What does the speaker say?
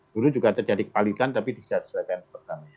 dulu juga terjadi kepalitan tapi diselesaikan kepalitan